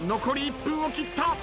残り１分を切った。